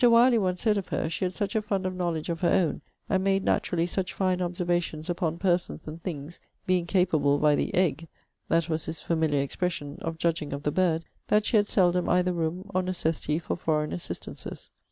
Wyerley once said of her, she had such a fund of knowledge of her own, and made naturally such fine observations upon persons and things, being capable, by the EGG, [that was his familiar expression,] of judging of the bird, that she had seldom either room or necessity for foreign assistances.